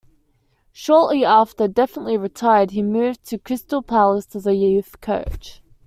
Shortly after, definitely retired, he moved to Crystal Palace as a youth coach.